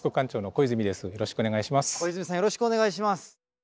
小泉さんよろしくお願いします。